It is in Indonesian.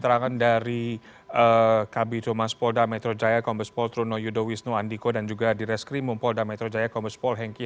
terima kasih atas perhatian dan kesabaran yang menunggu